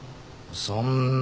そんな。